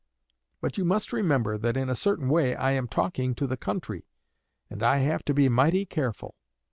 But you must remember that in a certain way I am talking to the country, and I have to be mighty careful.